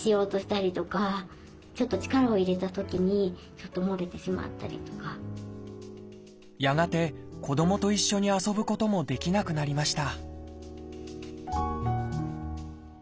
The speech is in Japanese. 一番困ったのはやがて子どもと一緒に遊ぶこともできなくなりました